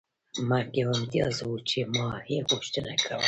مرګ یو امتیاز و چې ما یې غوښتنه کوله